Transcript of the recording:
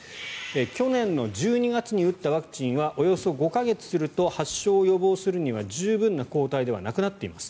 去年の１２月に打ったワクチンはおよそ５か月すると発症を予防するには十分な抗体ではなくなっています